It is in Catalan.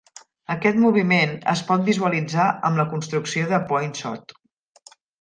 Aquest moviment es pot visualitzar amb la construcció de Poinsot.